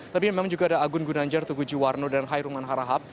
tapi memang juga ada agun gunanjar tugu juwarno dan hairuman harahap